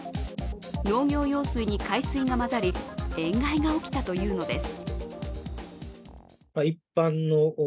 農業用水に海水がまざり塩害が起きたというのです。